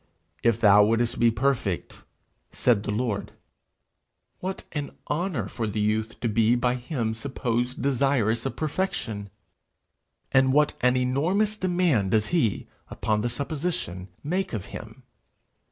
'If thou wouldest be perfect,' said the Lord. What an honour for the youth to be by him supposed desirous of perfection! And what an enormous demand does he, upon the supposition, make of him!